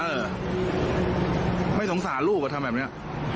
เออไม่สงสารลูกอ่ะทำแบบนี้